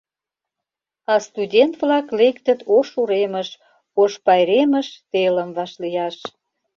А студент-влак Лектыт ош уремыш, Ош пайремыш Телым вашлияш.